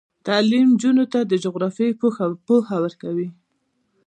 تعلیم نجونو ته د جغرافیې پوهه ورکوي.